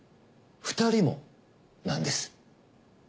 ２人もなんです。